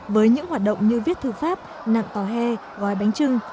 với những hoạt động như viết thư pháp nạn tòa hè gói bánh trưng